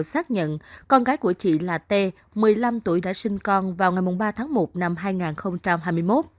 xác nhận con gái của chị là t một mươi năm tuổi đã sinh con vào ngày ba tháng một năm hai nghìn hai mươi một